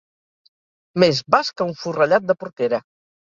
Més bast que un forrellat de porquera.